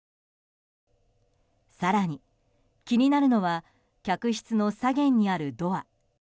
更に、気になるのは客室の左舷にあるドア。